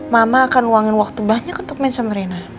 mama akan luangin waktu banyak untuk main sama rina